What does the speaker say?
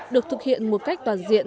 được thực hiện một cách toàn diện